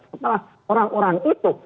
sekelas orang orang itu